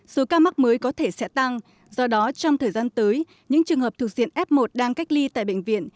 số ca mắc mới có thể sẽ tăng do đó trong thời gian tới những trường hợp thuộc diện f một đang cách ly tại bệnh viện